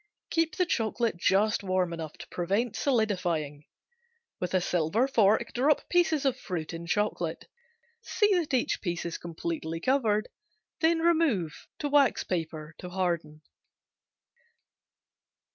Keep the chocolate just warm enough to prevent solidifying. With a silver fork drop pieces of fruit in chocolate. See that each piece is completely coated, then remove to wax paper to harden.